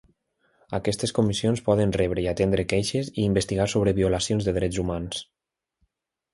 Aquestes comissions poden rebre i atendre queixes i investigar sobre violacions de drets humans.